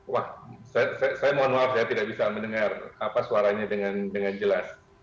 wah saya mohon maaf saya tidak bisa mendengar suaranya dengan jelas